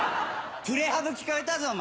プレハブ聞こえたぞお前！